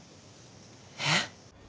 えっ？